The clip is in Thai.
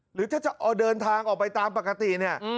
หรือถ้าจะเดินทางออกไปตามปกตี